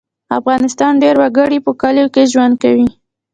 د افغانستان ډیری وګړي په کلیو کې ژوند کوي